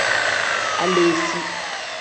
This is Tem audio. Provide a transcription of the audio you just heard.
Aleesi.